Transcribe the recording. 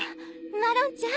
マロンちゃん？